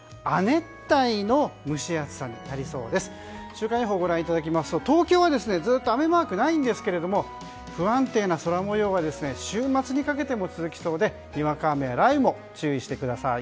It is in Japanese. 週間予報をご覧いただきますと東京はずっと雨マークないんですけども不安定な空模様が週末にかけても続きそうで、にわか雨や雷雨も注意してください。